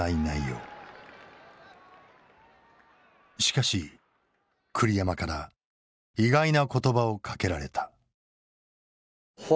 しかし栗山から意外な言葉をかけられた。